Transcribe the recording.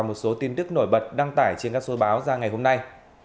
một số tin tức nổi bật đăng tải trên các số báo ra ngày hôm nay